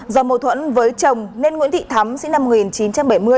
do mâu thuẫn với chồng nên nguyễn thị thắm sinh năm một nghìn chín trăm bảy mươi